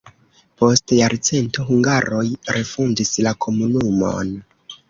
Post jarcento hungaroj refondis la komunumon.